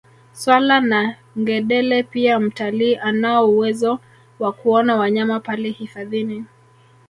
Swala na ngedele pia mtalii anao uwezo wa kuona wanyama pale hifadhini